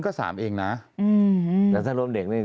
แต่ได้ยินจากคนอื่นแต่ได้ยินจากคนอื่น